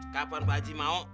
kapan pak haji mau